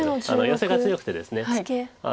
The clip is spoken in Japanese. ヨセが強くてですね。